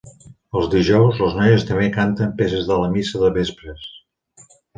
Els dijous, les noies també canten peces de la missa de vespres.